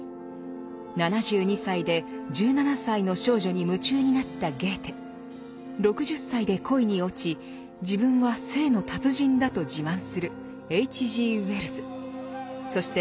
７２歳で１７歳の少女に夢中になった６０歳で恋に落ち自分は性の達人だと自慢するそして